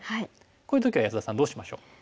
こういう時は安田さんどうしましょう？